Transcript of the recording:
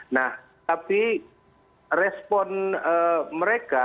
nah tapi respon mereka